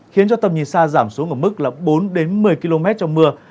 khiến cho tầm nhìn xa giảm xuống ở mức là bốn đến một mươi km trong mưa